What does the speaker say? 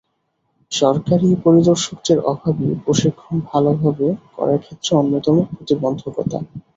সরকারি পরিদর্শকদের অভাবই প্রশিক্ষণ ভালোভাবে করার ক্ষেত্রে অন্যতম প্রতিবন্ধকতা।